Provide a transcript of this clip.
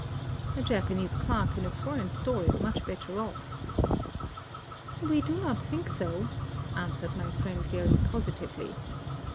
"A Japanese clerk in a foreign store is much better off." " We do not think so," answered my friend very positively.